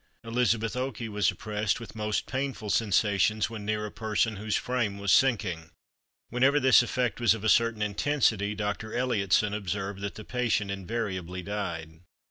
Elizabeth Okey was oppressed with most painful sensations when near a person whose frame was sinking. Whenever this effect was of a certain intensity, Dr. Elliotson observed that the patient invariably died.